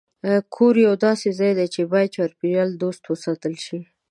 کور یو داسې ځای دی چې باید چاپېریال دوست وساتل شي.